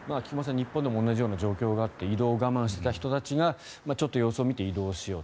日本でも同じような状況があって移動を我慢していた人たちがちょっと様子を見て移動しようと。